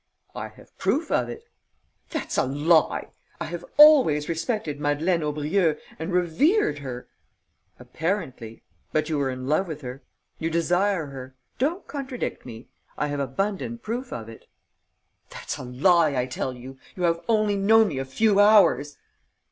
"I have proof of it." "That's a lie! I have always respected Madeleine Aubrieux and revered her...." "Apparently. But you're in love with her. You desire her. Don't contradict me. I have abundant proof of it." "That's a lie, I tell you! You have only known me a few hours!"